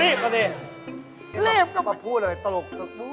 รีบก่อนเนี่ยมาพูดอะไรตลก